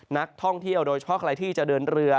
นักท่องเที่ยวโดยเฉพาะใครที่จะเดินเรือ